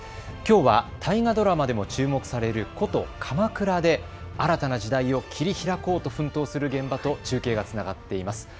きょうは大河ドラマでも注目される古都、鎌倉で新たな時代を切り開こうと奮闘する現場と中継がつながっています。